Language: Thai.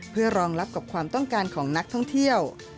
เพื่อรองรับกับความต้องการของนักท่องเที่ยว